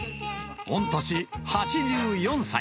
御年８４歳。